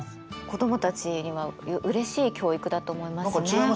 子どもたちにはうれしい教育だと思いますね。